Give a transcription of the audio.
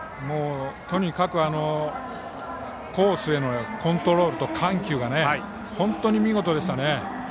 とにかくコースへのコントロールと緩急が本当に見事でした。